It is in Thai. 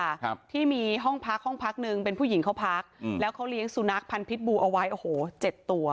ครับที่มีห้องพักห้องพักหนึ่งเป็นผู้หญิงเขาพักอืมแล้วเขาเลี้ยงสุนัขพันธิ์บูเอาไว้โอ้โหเจ็ดตัว